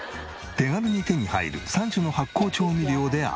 手軽に手に入る３種の発酵調味料で味付け。